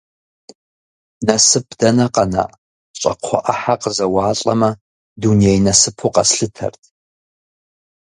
Насып дэнэ къэна, щӏакхъуэ ӏыхьэ къызэуалӏэмэ, дуней насыпу къэслъытэрт.